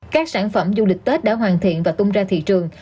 các sản phẩm du lịch tết đã hoàn thiện và tung ra thị trường